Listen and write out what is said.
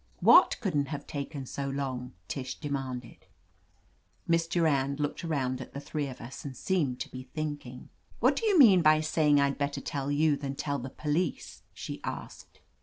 "What couldn't have taken so long?" Tish demanded. Miss Durand looked around at the three of us and seemed to be thinking. "What do you mean by saying Fd better tell you than tell the police?" she asked.